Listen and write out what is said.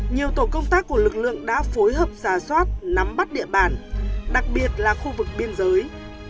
nhiều tổ công tác của lực lượng đã phối hợp giả soát nắm bắt địa bàn đặc biệt là khu vực biên giới